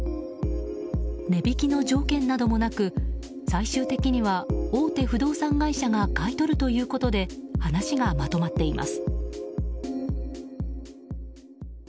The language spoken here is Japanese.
値引きの条件などもなく最終的には大手不動産会社が買い取るということで話がまとまっています。